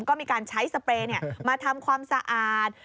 ก็มีการใช้สเปรย์มาทำความสะอาด